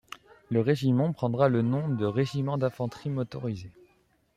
Le Régiment prendra le nom de Régiment d'infanterie motorisée.